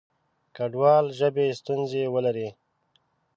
کډوال ژبې ستونزې ولري.